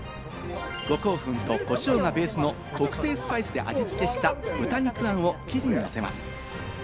五香粉と胡椒がベースの特製スパイスで味付けした豚肉あんを生地にのせます。